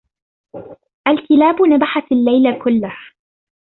الكلاب نبحت الليل كله.